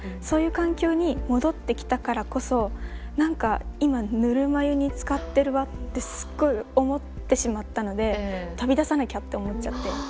そういう環境に戻ってきたからこそ何か今ぬるま湯につかってるわってすっごい思ってしまったので飛び出さなきゃって思っちゃって。